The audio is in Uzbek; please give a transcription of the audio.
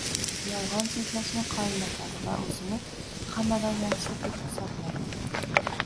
Yolg‘on so‘zlashni qoyillatadi va o‘zini hammadan yaxshi, deb hisoblaydi.